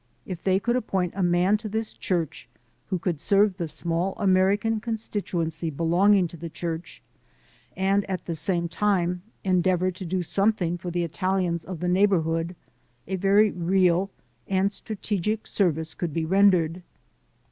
If they could appoint a man to this church who could serve the small American constituency belonging to the church, and at the same time endeavor to do something for the Italians of the neighborhood, a very real and strategic service could be rendered.